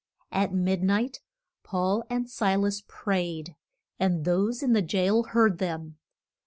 At mid night Paul and Si las prayed, and those in the jail heard them.